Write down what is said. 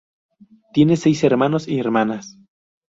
Tiene seis hermanos y hermanas.